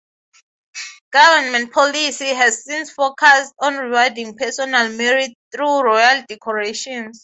Government policy has since focussed on rewarding personal merit through royal decorations.